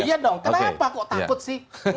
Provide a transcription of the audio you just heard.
iya dong kenapa kok takut sih